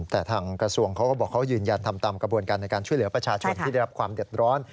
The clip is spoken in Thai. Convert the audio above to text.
แต่ทางกระทรวงเขาก็บอกเขายืนยันทำตามกระบวนการในการช่วยเหลือประชาชนที่ได้รับความเดือดร้อน